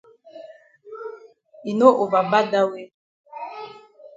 E no over bad dat way.